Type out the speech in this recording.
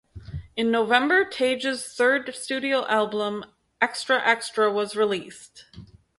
In November Tages third studio album "Extra Extra" was released.